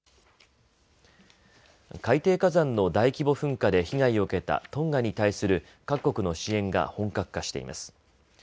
海底火山の大規模噴火で被害を受けたトンガに対する各国の支援が本格化しています。